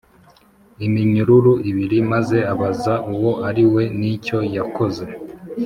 Iminyururu O Ibiri Maze Abaza Uwo Ari We N Icyo Yakoze